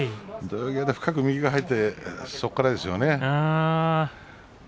土俵際で深く右が入ってそこからですよね。